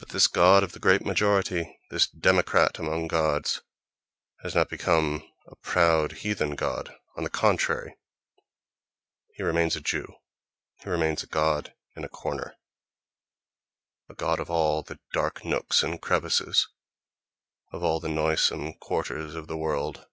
But this god of the "great majority," this democrat among gods, has not become a proud heathen god: on the contrary, he remains a Jew, he remains a god in a corner, a god of all the dark nooks and crevices, of all the noisesome quarters of the world!...